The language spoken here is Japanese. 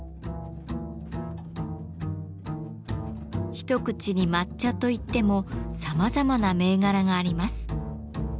一口に抹茶といってもさまざまな銘柄があります。